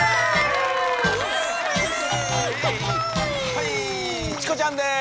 はいチコちゃんです